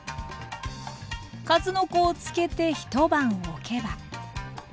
数の子を漬けて一晩おけば。